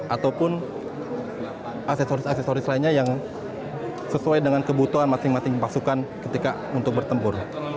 ataupun aksesoris aksesoris lainnya yang sesuai dengan kebutuhan masing masing pasukan ketika untuk bertempur